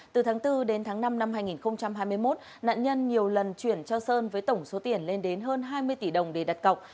từ tháng bốn đến tháng năm năm hai nghìn hai mươi một nạn nhân nhiều lần chuyển cho sơn với tổng số tiền lên đến hơn hai mươi tỷ đồng để đặt cọc